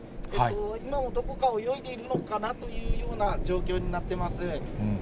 今もどこか泳いでいるのかなという状況になってます。